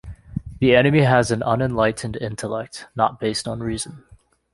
The enemy has an unenlightened intellect, not based on reason.